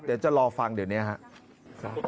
เดี๋ยวจะรอฟังเดี๋ยวนี้ครับ